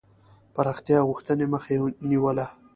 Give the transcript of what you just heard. پراختیا غوښتني مخه یې نیوله.